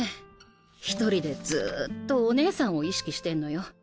一人でずっとお姉さんを意識してんのよ。